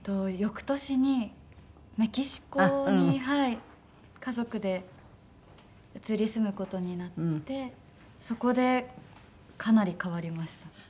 翌年にメキシコに家族で移り住む事になってそこでかなり変わりました。